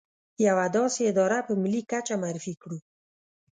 يوه داسې اداره په ملي کچه معرفي کړو.